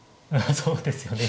そうですね。